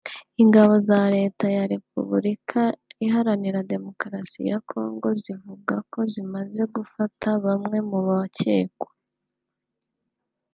Ingabo za Leta ya Repubulika Iharanira Demokarasi ya Congo zivuga ko zimaze gufata bamwe mu bakekwa